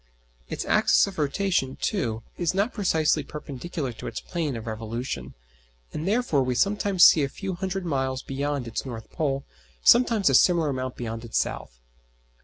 Its axis of rotation, too, is not precisely perpendicular to its plane of revolution, and therefore we sometimes see a few hundred miles beyond its north pole, sometimes a similar amount beyond its south.